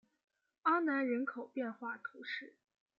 阿南人口变化图示